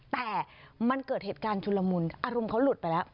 แต่มันเกิดเหตุการณ์ชุลมุนอารมณ์เขาหลุดไปแล้ว